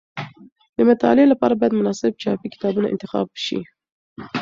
د مطالعې لپاره باید مناسب چاپي کتابونه انتخاب شي.